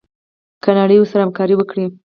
که نړۍ ورسره همکاري وکړي.